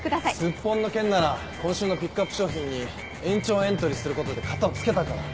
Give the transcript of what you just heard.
スッポンの件なら今週のピックアップ商品に延長エントリーすることで片を付けたから。